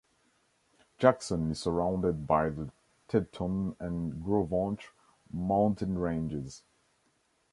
Jackson is surrounded by the Teton and Gros Ventre mountain ranges.